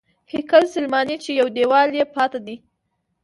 هیکل سلیماني چې یو دیوال یې پاتې دی.